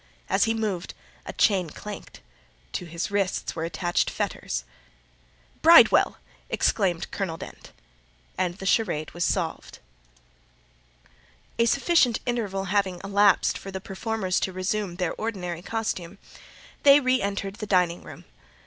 As he moved, a chain clanked; to his wrists were attached fetters. "Bridewell!" exclaimed Colonel Dent, and the charade was solved. A sufficient interval having elapsed for the performers to resume their ordinary costume, they re entered the dining room. Mr.